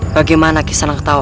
bagaimana kisanak tahu